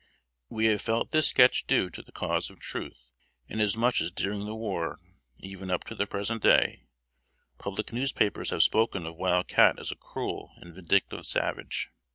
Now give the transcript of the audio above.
We have felt this sketch due to the cause of truth, inasmuch as during the war, and even up to the present day, public newspapers have spoken of Wild Cat as a cruel and vindictive savage.